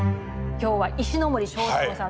今日は石森章太郎さん